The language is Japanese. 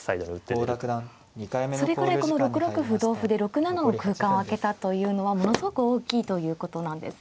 それぐらいこの６六歩同歩で６七の空間を空けたというのはものすごく大きいということなんですね。